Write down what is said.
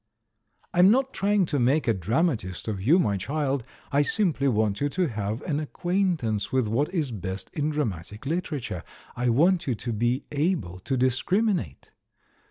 I'm not trying to make a dramatist of you, my child — I simply want you to have an acquaint ance with what is best in dramatic literature; I want you to be able to discriminate.